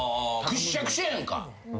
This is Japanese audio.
ぐっしゃぐしゃやんか。